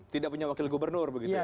tidak punya wakil gubernur begitu ya